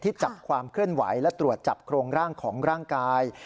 จับความเคลื่อนไหวและตรวจจับโครงร่างของร่างกาย